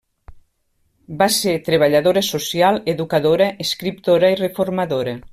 Va ser treballadora social, educadora, escriptora i reformadora.